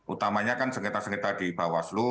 utamanya kan sengketa sengketa di bawaslu